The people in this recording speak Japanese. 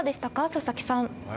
佐々木さん。